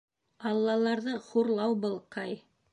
Аллаларҙы хурлау был, Кай.